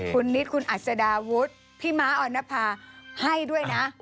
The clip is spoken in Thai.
คุณนิดคุณอัศดาวุฒิพี่ม้าออนภาให้ด้วยนะ